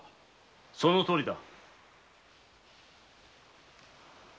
そのとおりだ。